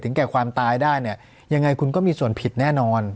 แก่ความตายได้เนี่ยยังไงคุณก็มีส่วนผิดแน่นอน